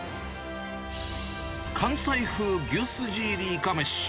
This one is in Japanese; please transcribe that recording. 関西風牛すじ入りいかめし。